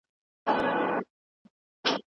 د واسکټونو دا بد مرغه لړۍ